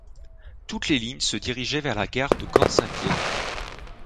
Toutes les lignes se dirigeaient vers la Gare de Gand-Saint-Pierre.